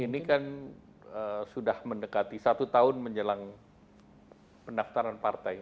ini kan sudah mendekati satu tahun menjelang pendaftaran partai